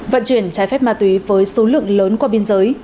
vận chuyển trái phép ma túy với số lượng lớn qua biên giới